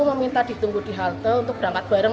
meminta ditunggu di halte untuk berangkat bareng